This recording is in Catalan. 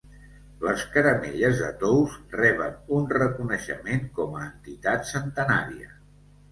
Les Caramelles de Tous reben un reconeixement com a entitat centenària.